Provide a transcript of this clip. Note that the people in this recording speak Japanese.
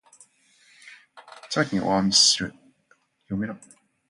千葉県大網白里市